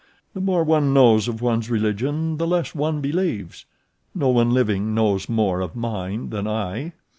The more one knows of one's religion the less one believes—no one living knows more of mine than I."